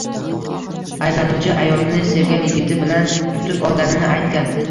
Ayblanuvchi ayolini sevgan yigiti bilan tutib olganini aytgan